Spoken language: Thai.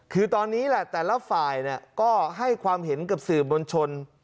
คือตอนนี้แหละแต่ละฝ่ายก็ให้ความเห็นกับสื่อมวลชน